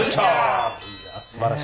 いやすばらしい。